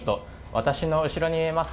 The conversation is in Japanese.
私の後ろに見えます